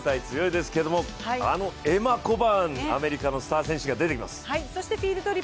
前回強いですけどエマ・コバーンアメリカのスター選手が出てきます。